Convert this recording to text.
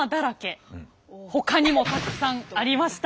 ほかにもたくさんありました。